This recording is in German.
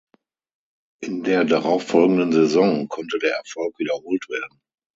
In der darauffolgenden Saison konnte der Erfolg wiederholt werden.